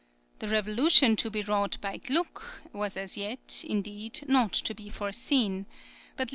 The revolution to be wrought by Gluck, was as yet, indeed, not to be foreseen; but L.